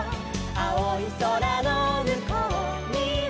「あおいそらのむこうには」